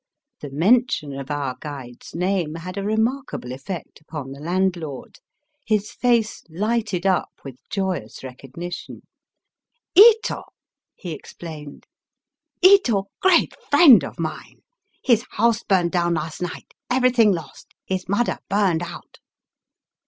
The mention of our guide's name had a remarkable effect upon the landlord. His face lighted up with joyous recognition. " Ito !" he explained. '* Ito great friend of mine. His house burned down last night; everyting lost ; his mudder burned out."